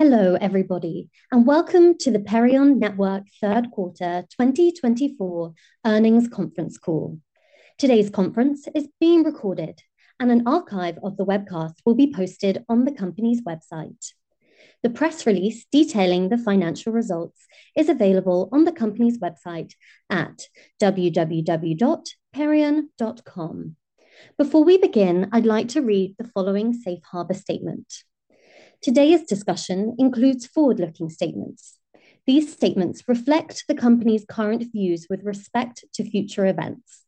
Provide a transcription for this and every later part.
Hello, everybody, and welcome to the Perion Network Third Quarter 2024 earnings conference call. Today's conference is being recorded, and an archive of the webcast will be posted on the company's website. The press release detailing the financial results is available on the company's website at www.perion.com. Before we begin, I'd like to read the following safe harbor statement. Today's discussion includes forward-looking statements. These statements reflect the company's current views with respect to future events.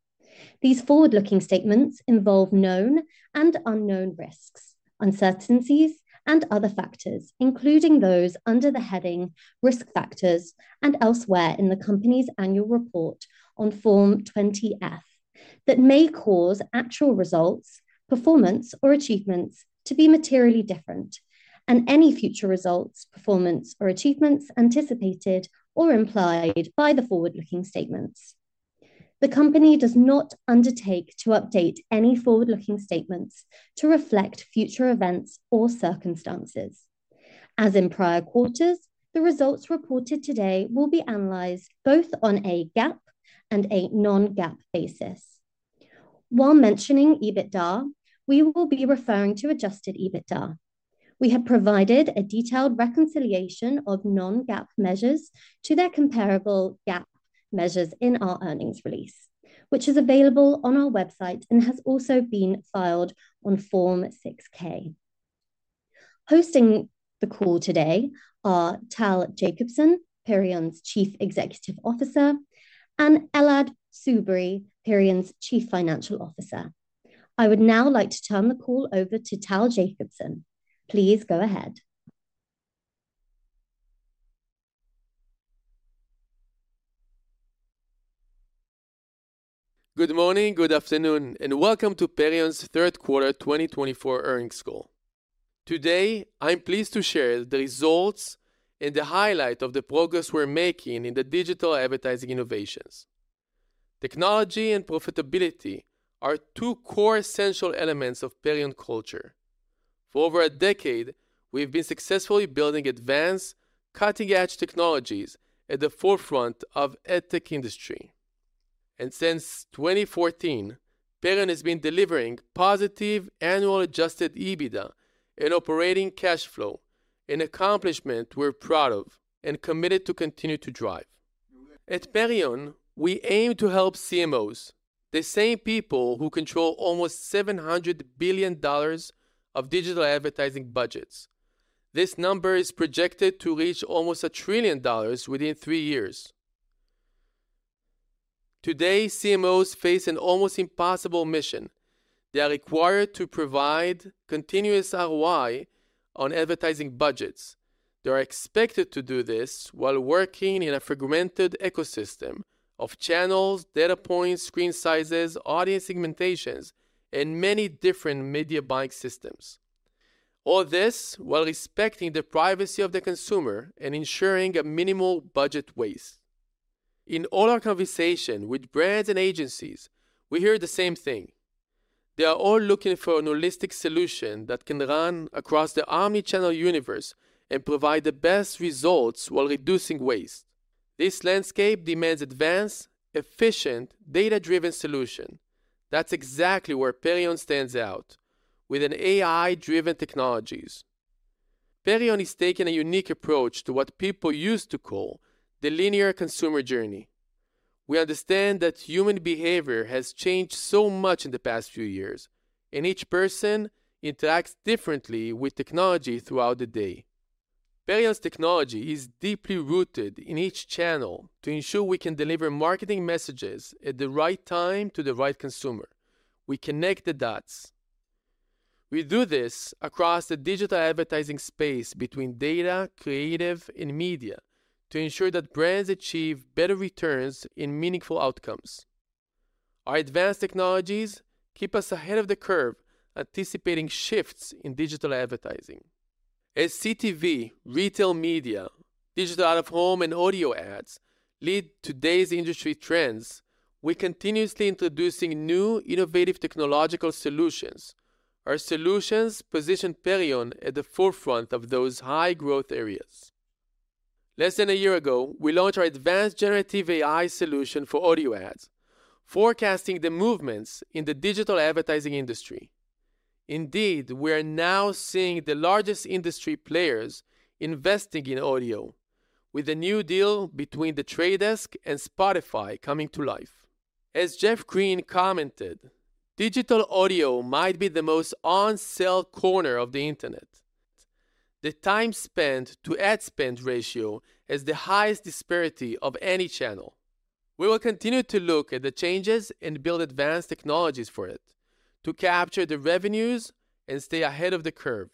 These forward-looking statements involve known and unknown risks, uncertainties, and other factors, including those under the heading risk factors and elsewhere in the company's annual report on Form 20-F, that may cause actual results, performance, or achievements to be materially different, and any future results, performance, or achievements anticipated or implied by the forward-looking statements. The company does not undertake to update any forward-looking statements to reflect future events or circumstances. As in prior quarters, the results reported today will be analyzed both on a GAAP and a non-GAAP basis. While mentioning EBITDA, we will be referring to adjusted EBITDA. We have provided a detailed reconciliation of non-GAAP measures to their comparable GAAP measures in our earnings release, which is available on our website and has also been filed on Form 6-K. Hosting the call today are Tal Jacobson, Perion's Chief Executive Officer, and Elad Tzubery, Perion's Chief Financial Officer. I would now like to turn the call over to Tal Jacobson. Please go ahead. Good morning, good afternoon, and welcome to Perion's Third Quarter 2024 earnings call. Today, I'm pleased to share the results and the highlight of the progress we're making in the digital advertising innovations. Technology and profitability are two core essential elements of Perion culture. For over a decade, we've been successfully building advanced, cutting-edge technologies at the forefront of the tech industry. And since 2014, Perion has been delivering positive annual adjusted EBITDA and operating cash flow, an accomplishment we're proud of and committed to continue to drive. At Perion, we aim to help CMOs, the same people who control almost $700 billion of digital advertising budgets. This number is projected to reach almost $1 trillion within three years. Today, CMOs face an almost impossible mission. They are required to provide continuous ROI on advertising budgets. They are expected to do this while working in a fragmented ecosystem of channels, data points, screen sizes, audience segmentations, and many different media buying systems. All this while respecting the privacy of the consumer and ensuring a minimal budget waste. In all our conversations with brands and agencies, we hear the same thing. They are all looking for a holistic solution that can run across the omnichannel universe and provide the best results while reducing waste. This landscape demands advanced, efficient, data-driven solutions. That's exactly where Perion stands out with AI-driven technologies. Perion is taking a unique approach to what people used to call the linear consumer journey. We understand that human behavior has changed so much in the past few years, and each person interacts differently with technology throughout the day. Perion's technology is deeply rooted in each channel to ensure we can deliver marketing messages at the right time to the right consumer. We connect the dots. We do this across the digital advertising space between data, creative, and media to ensure that brands achieve better returns and meaningful outcomes. Our advanced technologies keep us ahead of the curve, anticipating shifts in digital advertising. As CTV, retail media, digital out-of-home, and audio ads lead today's industry trends, we're continuously introducing new innovative technological solutions. Our solutions position Perion at the forefront of those high-growth areas. Less than a year ago, we launched our advanced generative AI solution for audio ads, forecasting the movements in the digital advertising industry. Indeed, we are now seeing the largest industry players investing in audio, with a new deal between The Trade Desk and Spotify coming to life. As Jeff Green commented, digital audio might be the most on-sale corner of the internet. The time spent to ad spend ratio is the highest disparity of any channel. We will continue to look at the changes and build advanced technologies for it to capture the revenues and stay ahead of the curve.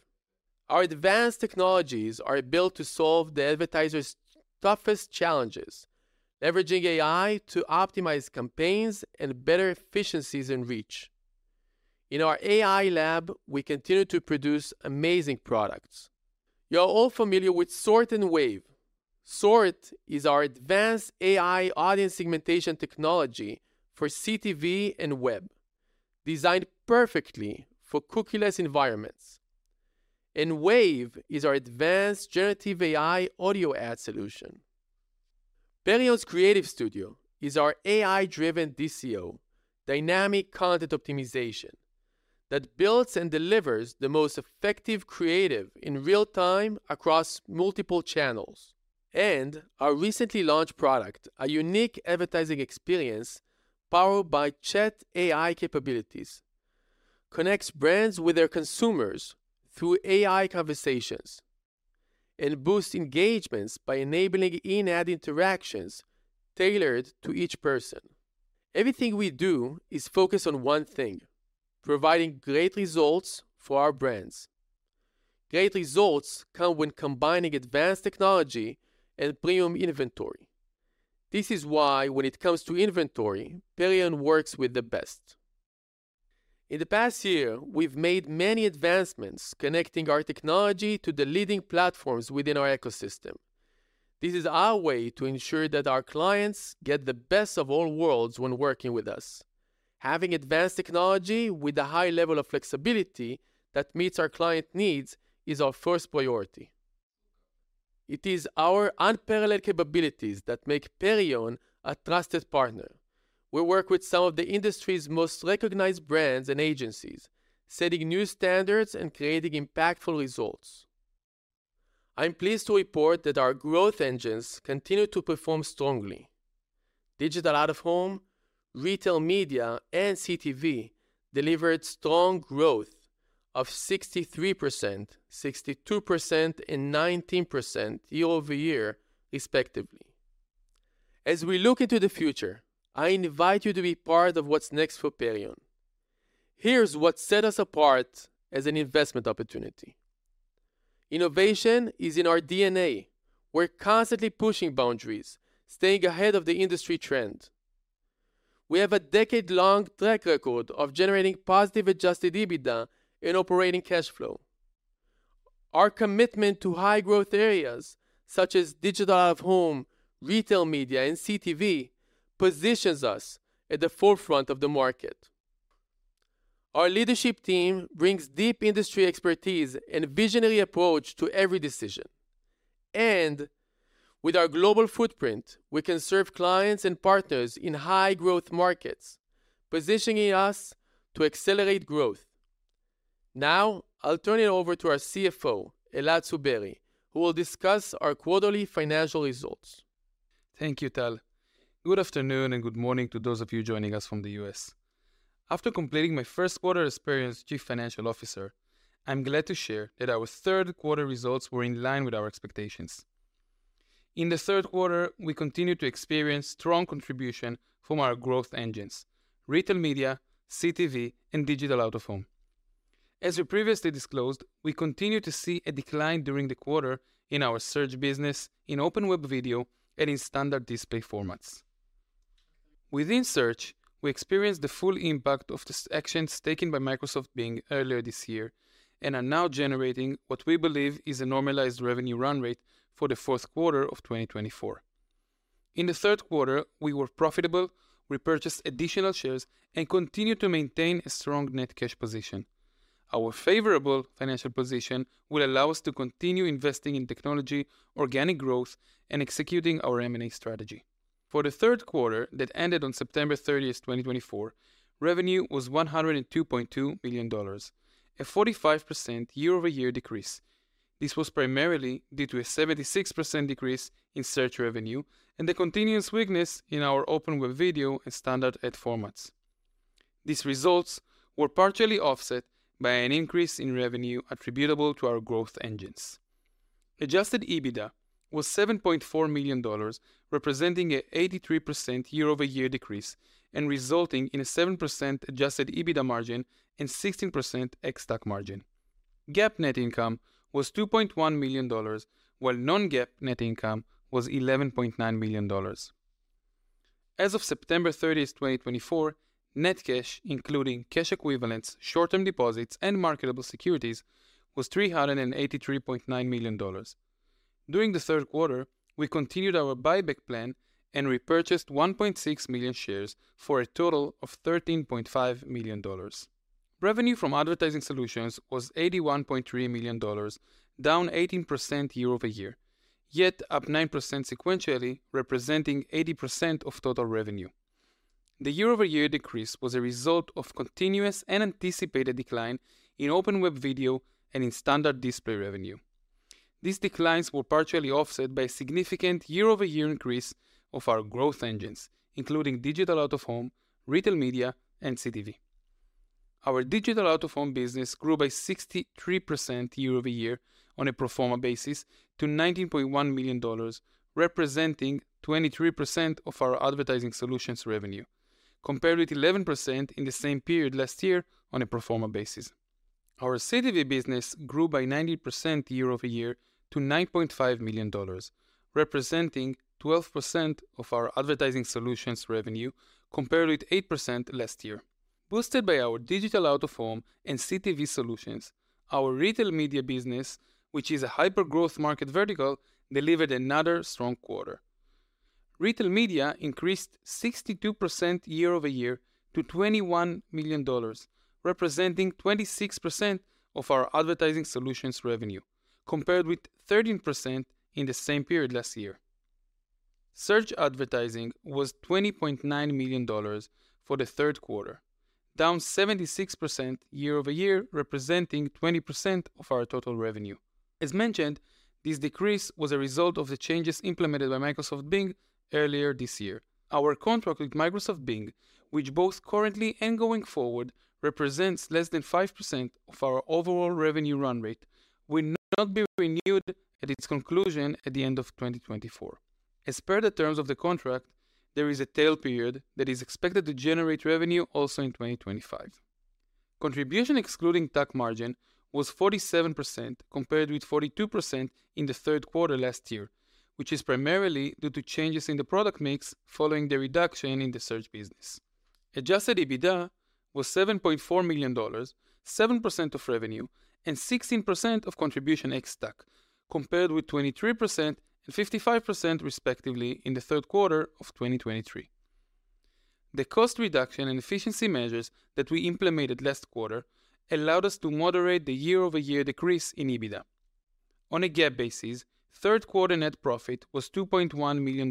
Our advanced technologies are built to solve the advertiser's toughest challenges, leveraging AI to optimize campaigns and better efficiencies and reach. In our AI lab, we continue to produce amazing products. You're all familiar with Sort and Wave. Sort is our advanced AI audience segmentation technology for CTV and web, designed perfectly for cookieless environments, and Wave is our advanced generative AI audio ad solution. Perion's Creative Studio is our AI-driven DCO, dynamic content optimization, that builds and delivers the most effective creative in real time across multiple channels. Our recently launched product, a unique advertising experience powered by Chat AI capabilities, connects brands with their consumers through AI conversations and boosts engagements by enabling in-ad interactions tailored to each person. Everything we do is focused on one thing: providing great results for our brands. Great results come when combining advanced technology and premium inventory. This is why, when it comes to inventory, Perion works with the best. In the past year, we've made many advancements connecting our technology to the leading platforms within our ecosystem. This is our way to ensure that our clients get the best of all worlds when working with us. Having advanced technology with a high level of flexibility that meets our client needs is our first priority. It is our unparalleled capabilities that make Perion a trusted partner. We work with some of the industry's most recognized brands and agencies, setting new standards and creating impactful results. I'm pleased to report that our growth engines continue to perform strongly. Digital Out-of-Home, Retail Media, and CTV delivered strong growth of 63%, 62%, and 19% year over year, respectively. As we look into the future, I invite you to be part of what's next for Perion. Here's what sets us apart as an investment opportunity. Innovation is in our DNA. We're constantly pushing boundaries, staying ahead of the industry trend. We have a decade-long track record of generating positive adjusted EBITDA and operating cash flow. Our commitment to high-growth areas, such as Digital Out-of-Home, Retail Media, and CTV, positions us at the forefront of the market. Our leadership team brings deep industry expertise and a visionary approach to every decision. With our global footprint, we can serve clients and partners in high-growth markets, positioning us to accelerate growth. Now, I'll turn it over to our CFO, Elad Tzubery, who will discuss our quarterly financial results. Thank you, Tal. Good afternoon and good morning to those of you joining us from the US. After completing my first quarter as Perion's Chief Financial Officer, I'm glad to share that our third quarter results were in line with our expectations. In the third quarter, we continue to experience strong contributions from our growth engines: retail media, CTV, and digital out-of-home. As we previously disclosed, we continue to see a decline during the quarter in our search business, in open web video, and in standard display formats. Within search, we experienced the full impact of the actions taken by Microsoft Bing earlier this year and are now generating what we believe is a normalized revenue run rate for the fourth quarter of 2024. In the third quarter, we were profitable, repurchased additional shares, and continue to maintain a strong net cash position. Our favorable financial position will allow us to continue investing in technology, organic growth, and executing our M&A strategy. For the third quarter that ended on September 30, 2024, revenue was $102.2 million, a 45% year-over-year decrease. This was primarily due to a 76% decrease in search revenue and the continuous weakness in our open web video and standard ad formats. These results were partially offset by an increase in revenue attributable to our growth engines. Adjusted EBITDA was $7.4 million, representing an 83% year-over-year decrease and resulting in a 7% adjusted EBITDA margin and 16% ex-TAC margin. GAAP net income was $2.1 million, while non-GAAP net income was $11.9 million. As of September 30, 2024, net cash, including cash equivalents, short-term deposits, and marketable securities, was $383.9 million. During the third quarter, we continued our buyback plan and repurchased 1.6 million shares for a total of $13.5 million. Revenue from advertising solutions was $81.3 million, down 18% year over year, yet up 9% sequentially, representing 80% of total revenue. The year-over-year decrease was a result of continuous and anticipated decline in open web video and in standard display revenue. These declines were partially offset by a significant year-over-year increase of our growth engines, including digital out-of-home, retail media, and CTV. Our digital out-of-home business grew by 63% year over year on a pro forma basis to $19.1 million, representing 23% of our advertising solutions revenue, compared with 11% in the same period last year on a pro forma basis. Our CTV business grew by 90% year over year to $9.5 million, representing 12% of our advertising solutions revenue, compared with 8% last year. Boosted by our digital out-of-home and CTV solutions, our retail media business, which is a hyper-growth market vertical, delivered another strong quarter. Retail media increased 62% year over year to $21 million, representing 26% of our advertising solutions revenue, compared with 13% in the same period last year. Search advertising was $20.9 million for the third quarter, down 76% year over year, representing 20% of our total revenue. As mentioned, this decrease was a result of the changes implemented by Microsoft Bing earlier this year. Our contract with Microsoft Bing, which both currently and going forward represents less than 5% of our overall revenue run rate, will not be renewed at its conclusion at the end of 2024. As per the terms of the contract, there is a tail period that is expected to generate revenue also in 2025. Contribution excluding TAC margin was 47%, compared with 42% in the third quarter last year, which is primarily due to changes in the product mix following the reduction in the search business. Adjusted EBITDA was $7.4 million, 7% of revenue, and 16% of contribution ex-TAC, compared with 23% and 55%, respectively, in the third quarter of 2023. The cost reduction and efficiency measures that we implemented last quarter allowed us to moderate the year-over-year decrease in EBITDA. On a GAAP basis, third quarter net profit was $2.1 million,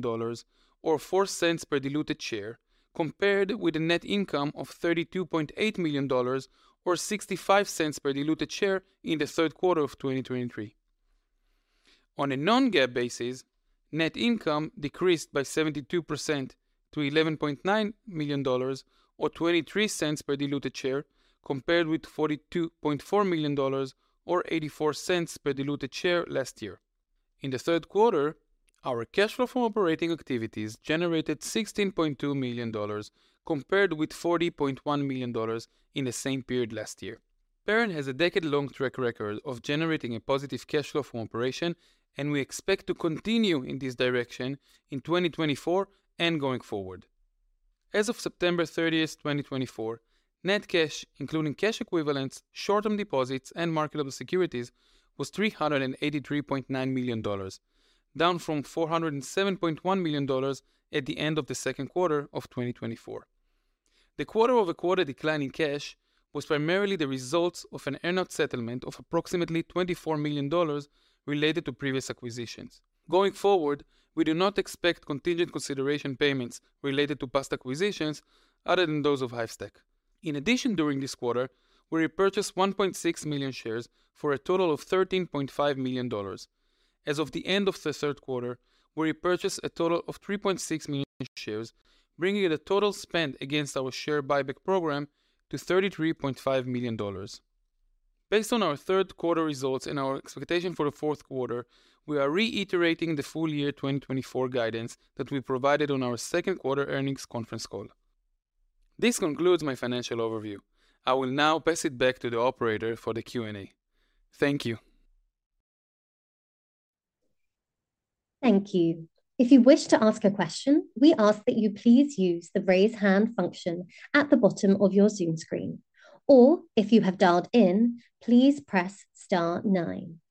or $0.04 per diluted share, compared with a net income of $32.8 million, or $0.65 per diluted share in the third quarter of 2023. On a non-GAAP basis, net income decreased by 72% to $11.9 million, or $0.23 per diluted share, compared with $42.4 million, or $0.84 per diluted share last year. In the third quarter, our cash flow from operating activities generated $16.2 million, compared with $40.1 million in the same period last year. Perion has a decade-long track record of generating a positive cash flow from operation, and we expect to continue in this direction in 2024 and going forward. As of September 30, 2024, net cash, including cash equivalents, short-term deposits, and marketable securities, was $383.9 million, down from $407.1 million at the end of the second quarter of 2024. The quarter-over-quarter decline in cash was primarily the result of an earn-out settlement of approximately $24 million related to previous acquisitions. Going forward, we do not expect contingent consideration payments related to past acquisitions other than those of Hivestack. In addition, during this quarter, we repurchased 1.6 million shares for a total of $13.5 million. As of the end of the third quarter, we repurchased a total of 3.6 million shares, bringing the total spent against our share buyback program to $33.5 million. Based on our third quarter results and our expectation for the fourth quarter, we are reiterating the full year 2024 guidance that we provided on our second quarter earnings conference call. This concludes my financial overview. I will now pass it back to the operator for the Q&A. Thank you. Thank you. If you wish to ask a question, we ask that you please use the raise hand function at the bottom of your Zoom screen. Or if you have dialed in, please press star nine.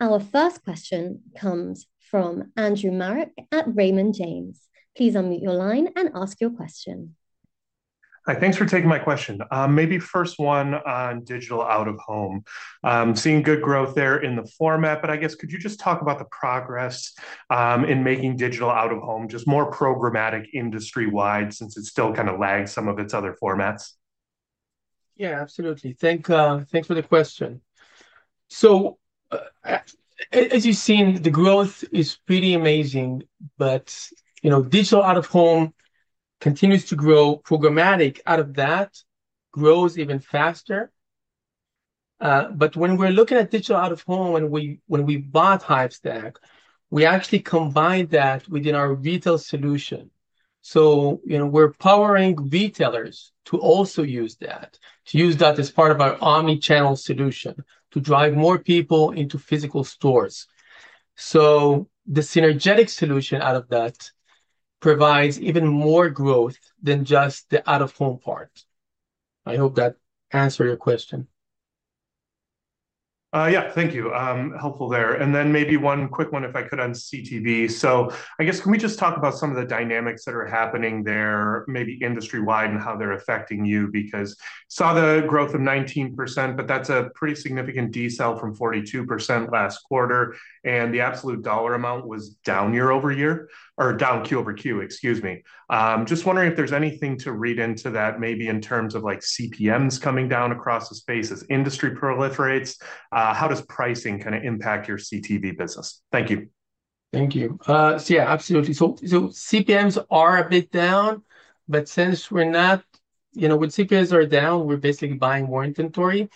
Our first question comes from Andrew Marok at Raymond James. Please unmute your line and ask your question. Hi, thanks for taking my question. Maybe first one on digital out-of-home. I'm seeing good growth there in the format, but I guess could you just talk about the progress in making digital out-of-home just more programmatic industry-wide since it still kind of lags some of its other formats? Yeah, absolutely. Thanks for the question. So as you've seen, the growth is pretty amazing, but digital out-of-home continues to grow. Programmatic out of that grows even faster. But when we're looking at digital out-of-home and when we bought Hivestack, we actually combined that within our retail solution. So we're powering retailers to also use that, to use that as part of our omnichannel solution to drive more people into physical stores. So the synergetic solution out of that provides even more growth than just the out-of-home part. I hope that answered your question. Yeah, thank you. Helpful there. And then maybe one quick one, if I could, on CTV. So I guess can we just talk about some of the dynamics that are happening there, maybe industry-wide, and how they're affecting you? Because I saw the growth of 19%, but that's a pretty significant decel from 42% last quarter. And the absolute dollar amount was down year over year, or down Q over Q, excuse me. Just wondering if there's anything to read into that, maybe in terms of CPMs coming down across the space as industry proliferates. How does pricing kind of impact your CTV business? Thank you. Thank you. So yeah, absolutely. So CPMs are a bit down, but since we're not, you know, when CPMs are down, we're basically buying more inventory.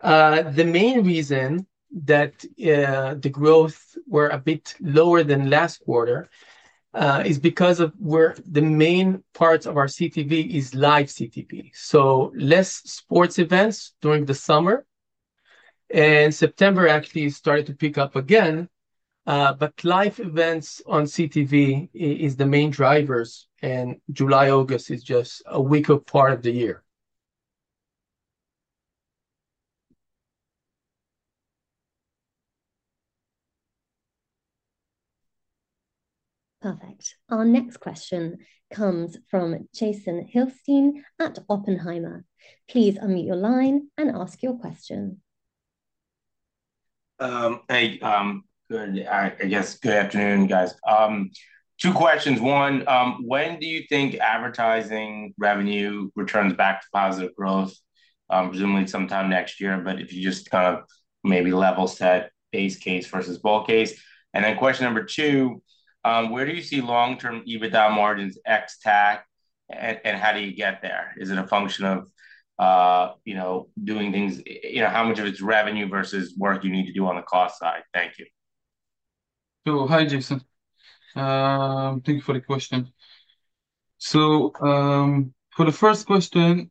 The main reason that the growth was a bit lower than last quarter is because of where the main parts of our CTV is live CTV. So less sports events during the summer. And September actually started to pick up again. But live events on CTV are the main drivers, and July, August is just a weaker part of the year. Perfect. Our next question comes from Jason Helfstein at Oppenheimer. Please unmute your line and ask your question. Hey, good. I guess good afternoon, guys. Two questions. One, when do you think advertising revenue returns back to positive growth? Presumably sometime next year, but if you just kind of maybe level set base case versus bull case. And then question number two, where do you see long-term EBITDA margins ex-tax, and how do you get there? Is it a function of doing things? How much of it's revenue versus work you need to do on the cost side? Thank you. So hi, Jason. Thank you for the question. So for the first question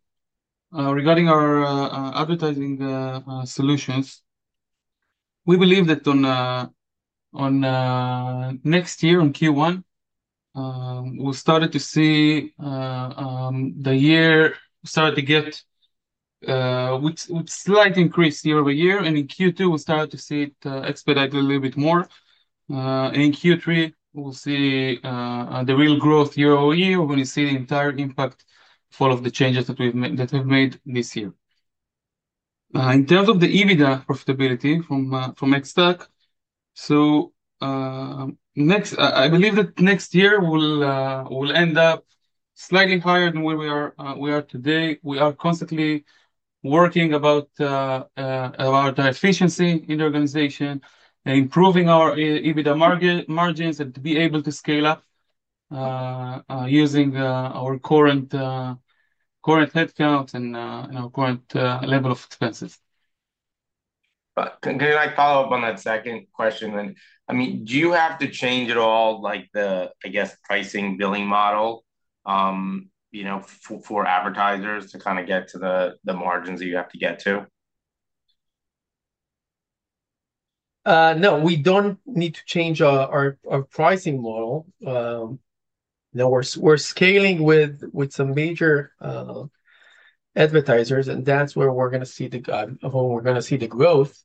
regarding our advertising solutions, we believe that next year in Q1, we'll start to see the year start to get with slight increase year over year. And in Q2, we'll start to see it expedite a little bit more. And in Q3, we'll see the real growth year over year. We're going to see the entire impact for all of the changes that we've made this year. In terms of the EBITDA profitability from ex-tax, so next, I believe that next year will end up slightly higher than where we are today. We are constantly working about our efficiency in the organization and improving our EBITDA margins and to be able to scale up using our current headcount and our current level of expenses. But can I follow up on that second question? I mean, do you have to change at all, I guess, pricing billing model for advertisers to kind of get to the margins that you have to get to? No, we don't need to change our pricing model. We're scaling with some major advertisers, and that's where we're going to see the growth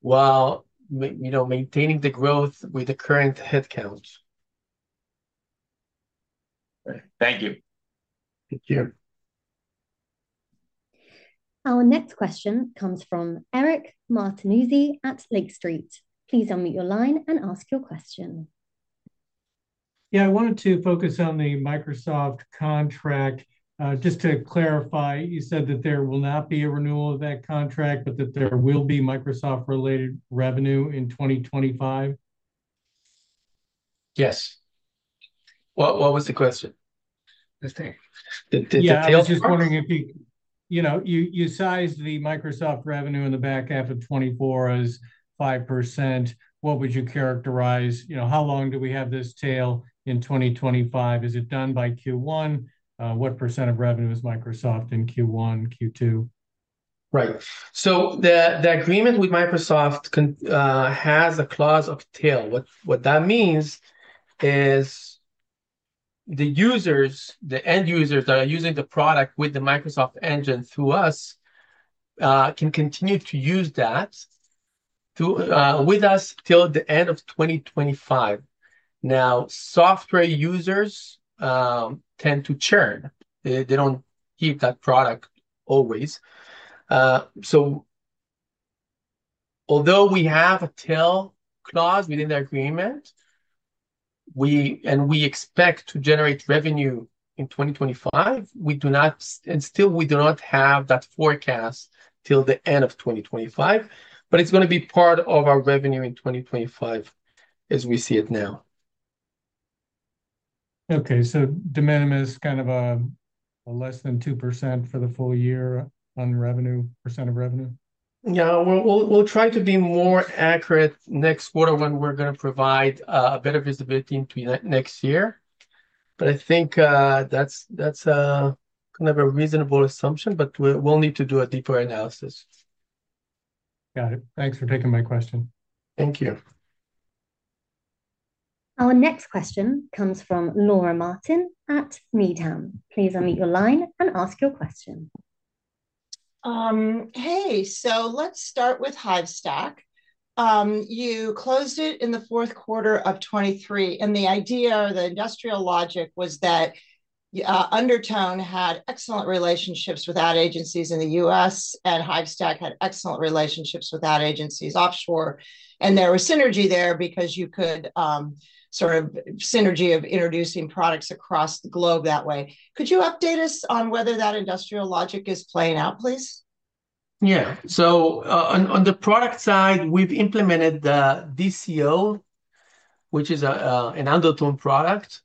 while maintaining the growth with the current headcount. Thank you. Thank you. Our next question comes from Eric Martinuzzi at Lake Street. Please unmute your line and ask your question. Yeah, I wanted to focus on the Microsoft contract. Just to clarify, you said that there will not be a renewal of that contract, but that there will be Microsoft-related revenue in 2025? Yes. What was the question? The tail? Yeah, I was just wondering if you sized the Microsoft revenue in the back half of 2024 as 5%, what would you characterize? How long do we have this tail in 2025? Is it done by Q1? What % of revenue is Microsoft in Q1, Q2? Right. So the agreement with Microsoft has a clause of tail. What that means is the users, the end users that are using the product with the Microsoft engine through us can continue to use that with us till the end of 2025. Now, software users tend to churn. They don't keep that product always. So although we have a tail clause within the agreement and we expect to generate revenue in 2025, we do not, and still we do not have that forecast till the end of 2025, but it's going to be part of our revenue in 2025 as we see it now. Okay. So demand is kind of less than 2% for the full year on revenue, percent of revenue? Yeah. We'll try to be more accurate next quarter when we're going to provide a better visibility into next year. But I think that's kind of a reasonable assumption, but we'll need to do a deeper analysis. Got it. Thanks for taking my question. Thank you. Our next question comes from Laura Martin at Needham. Please unmute your line and ask your question. Hey, so let's start with Hivestack. You closed it in the fourth quarter of 2023. And the idea or the industrial logic was that Undertone had excellent relationships with ad agencies in the U.S., and Hivestack had excellent relationships with ad agencies offshore. And there was synergy there because you could sort of synergy of introducing products across the globe that way. Could you update us on whether that industrial logic is playing out, please? Yeah. So on the product side, we've implemented the DCO, which is an Undertone product,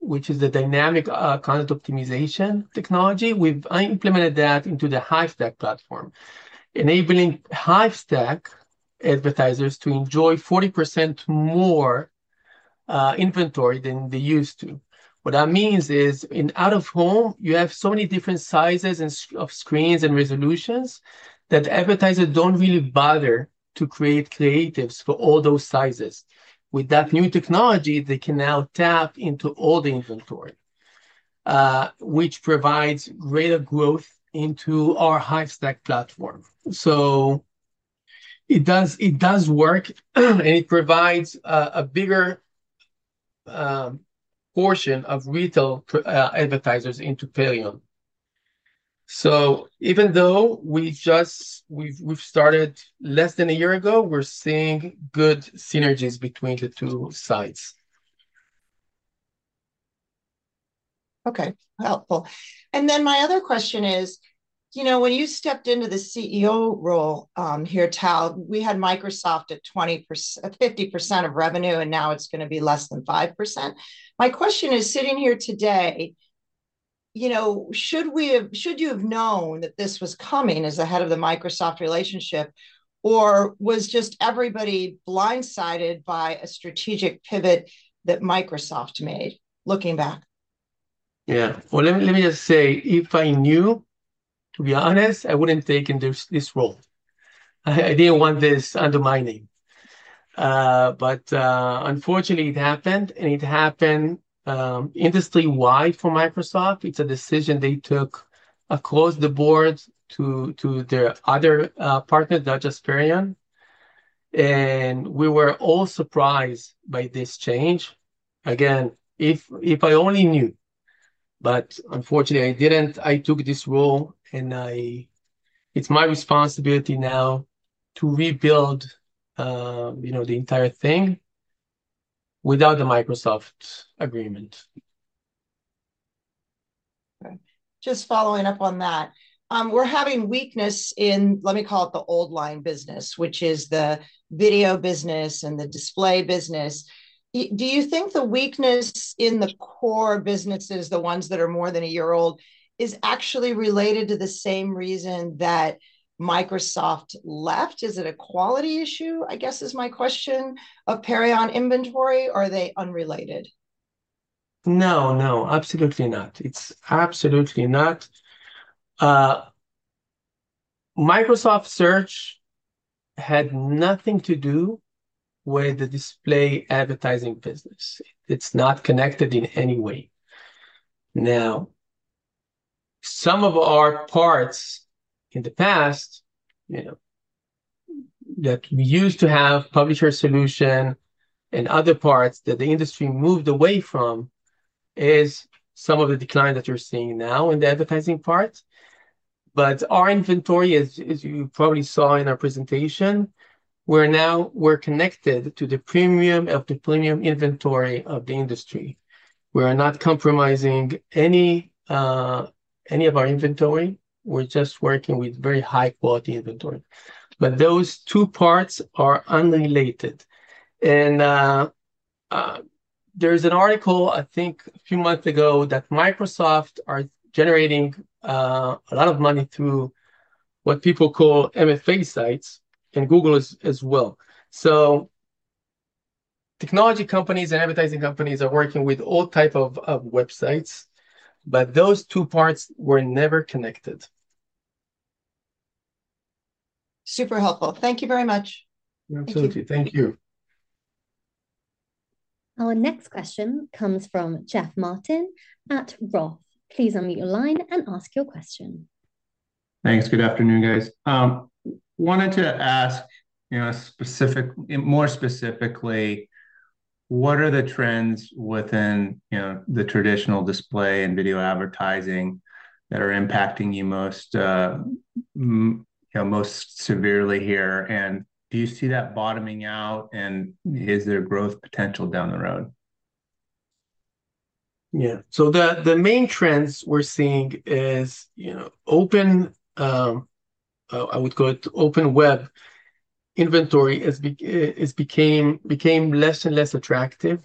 which is the dynamic content optimization technology. We've implemented that into the Hivestack platform, enabling Hivestack advertisers to enjoy 40% more inventory than they used to. What that means is in out-of-home, you have so many different sizes of screens and resolutions that advertisers don't really bother to create creatives for all those sizes. With that new technology, they can now tap into all the inventory, which provides greater growth into our Hivestack platform. So it does work, and it provides a bigger portion of retail advertisers into Perion. So even though we've started less than a year ago, we're seeing good synergies between the two sides. Okay. Helpful. And then my other question is, you know, when you stepped into the CEO role here, Tal, we had Microsoft at 50% of revenue, and now it's going to be less than 5%. My question is, sitting here today, you know, should you have known that this was coming as the head of the Microsoft relationship, or was just everybody blindsided by a strategic pivot that Microsoft made looking back? Yeah, well, let me just say, if I knew, to be honest, I wouldn't take this role. I didn't want this under my name, but unfortunately, it happened, and it happened industry-wide for Microsoft. It's a decision they took across the board to their other partners, not just Perion, and we were all surprised by this change. Again, if I only knew, but unfortunately, I didn't. I took this role, and it's my responsibility now to rebuild the entire thing without the Microsoft agreement. Just following up on that, we're having weakness in, let me call it the old line business, which is the video business and the display business. Do you think the weakness in the core businesses, the ones that are more than a year old, is actually related to the same reason that Microsoft left? Is it a quality issue, I guess, of Perion inventory, or are they unrelated? No, no, absolutely not. It's absolutely not. Microsoft Search had nothing to do with the display advertising business. It's not connected in any way. Now, some of our parts in the past that we used to have publisher solution and other parts that the industry moved away from is some of the decline that you're seeing now in the advertising part. But our inventory, as you probably saw in our presentation, we're now connected to the premium of the premium inventory of the industry. We are not compromising any of our inventory. We're just working with very high-quality inventory. But those two parts are unrelated. And there's an article, I think, a few months ago that Microsoft is generating a lot of money through what people call MFA sites and Google as well. Technology companies and advertising companies are working with all types of websites, but those two parts were never connected. Super helpful. Thank you very much. Absolutely. Thank you. Our next question comes from Jeff Martin at Roth. Please unmute your line and ask your question. Thanks. Good afternoon, guys. Wanted to ask more specifically, what are the trends within the traditional display and video advertising that are impacting you most severely here? And do you see that bottoming out, and is there growth potential down the road? Yeah. So the main trends we're seeing is open, I would call it open web inventory, became less and less attractive.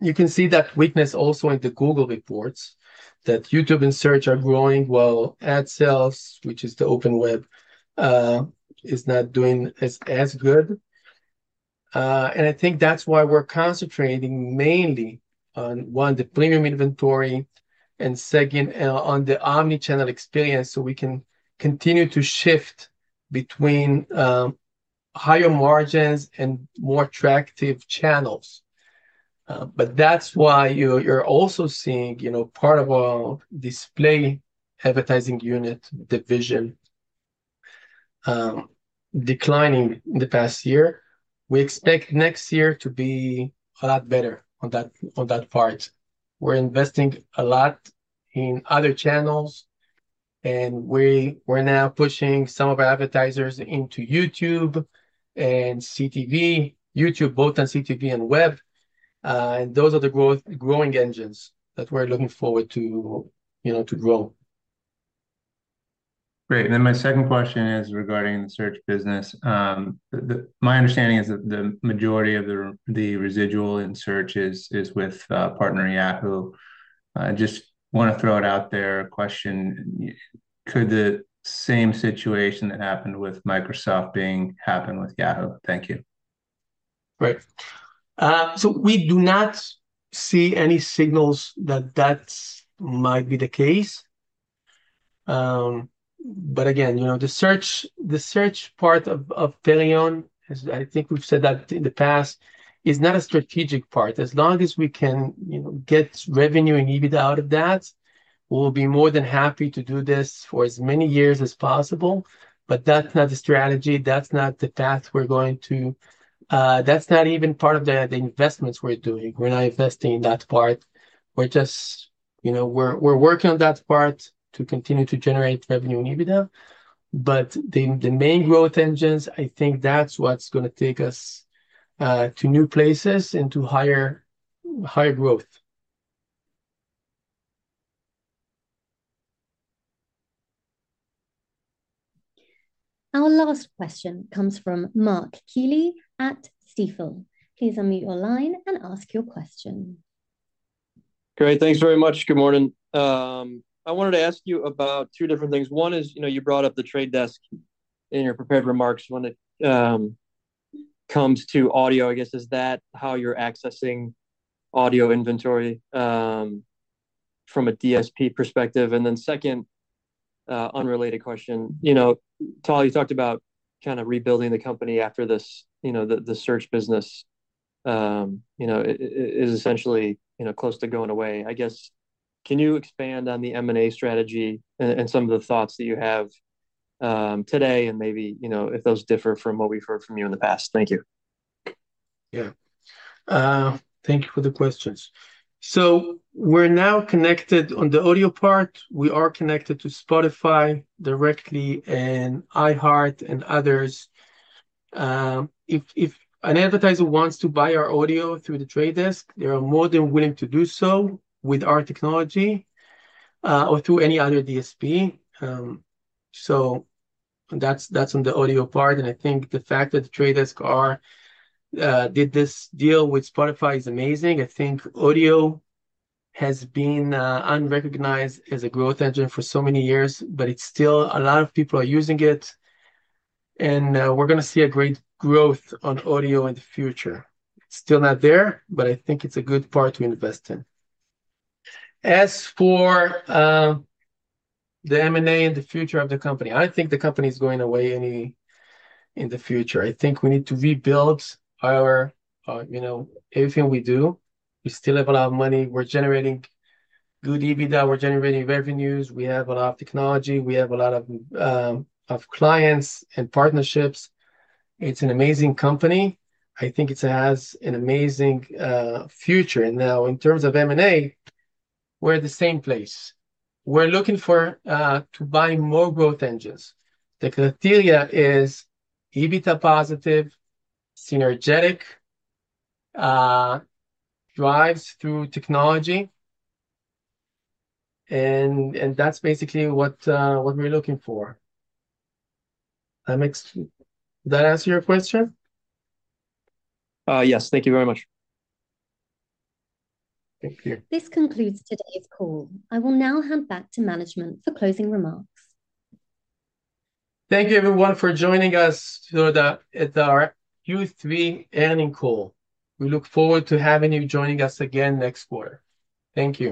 You can see that weakness also in the Google reports that YouTube and Search are growing while AdSense, which is the open web, is not doing as good. And I think that's why we're concentrating mainly on, one, the premium inventory, and second, on the omnichannel experience so we can continue to shift between higher margins and more attractive channels. But that's why you're also seeing part of our display advertising unit division declining in the past year. We expect next year to be a lot better on that part. We're investing a lot in other channels, and we're now pushing some of our advertisers into YouTube and CTV, YouTube both on CTV and web. And those are the growing engines that we're looking forward to grow. Great. And then my second question is regarding the search business. My understanding is that the majority of the residual in search is with partnering Yahoo. Just want to throw it out there, a question. Could the same situation that happened with Microsoft happen with Yahoo? Thank you. Right. So we do not see any signals that that might be the case. But again, the search part of Perion, I think we've said that in the past, is not a strategic part. As long as we can get revenue and EBITDA out of that, we'll be more than happy to do this for as many years as possible. But that's not the strategy. That's not the path we're going to. That's not even part of the investments we're doing. We're not investing in that part. We're working on that part to continue to generate revenue and EBITDA. But the main growth engines, I think that's what's going to take us to new places and to higher growth. Our last question comes from Mark Kelley at Stifel. Please unmute your line and ask your question. Great. Thanks very much. Good morning. I wanted to ask you about two different things. One is you brought up The Trade Desk in your prepared remarks. When it comes to audio, I guess, is that how you're accessing audio inventory from a DSP perspective? And then second, unrelated question. Tal, you talked about kind of rebuilding the company after the search business is essentially close to going away. I guess, can you expand on the M&A strategy and some of the thoughts that you have today and maybe if those differ from what we've heard from you in the past? Thank you. Yeah. Thank you for the questions. So we're now connected on the audio part. We are connected to Spotify directly and iHeart and others. If an advertiser wants to buy our audio through the Trade Desk, they are more than willing to do so with our technology or through any other DSP. So that's on the audio part. And I think the fact that the Trade Desk did this deal with Spotify is amazing. I think audio has been unrecognized as a growth engine for so many years, but still a lot of people are using it. And we're going to see a great growth on audio in the future. It's still not there, but I think it's a good part to invest in. As for the M&A and the future of the company, I don't think the company is going away in the future. I think we need to rebuild everything we do. We still have a lot of money. We're generating good EBITDA. We're generating revenues. We have a lot of technology. We have a lot of clients and partnerships. It's an amazing company. I think it has an amazing future. And now in terms of M&A, we're at the same place. We're looking to buy more growth engines. The criteria is EBITDA positive, synergetic, drives through technology. And that's basically what we're looking for. Did that answer your question? Yes. Thank you very much. Thank you. This concludes today's call. I will now hand back to management for closing remarks. Thank you, everyone, for joining us at our Q3 Annual Call. We look forward to having you joining us again next quarter. Thank you.